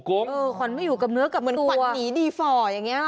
ขวัญไม่อยู่กับเนื้อกับเหมือนขวัญหนีดีฝ่ออย่างนี้หรอ